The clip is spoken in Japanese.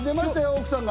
奥さんが。